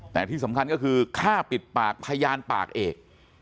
แต่ที่สำคัญก็คือฆ่าปิดปากพยานปากเอก